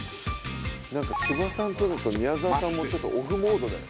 何か千葉さん撮ると宮沢さんもちょっとオフモードだよね。